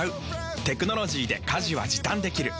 テクノロジーで家事は時短できる。